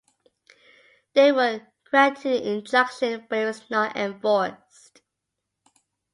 They were granted an injunction, but it was not enforced.